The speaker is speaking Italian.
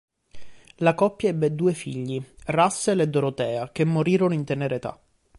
La coppia ebbe due figli, Russel e Dorothea, che morirono in tenera età.